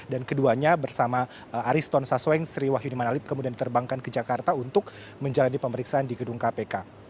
dan keduanya bersama ariston sassoeng sri wahyuni manalip kemudian diterbangkan ke jakarta untuk menjalani pemeriksaan di gedung kpk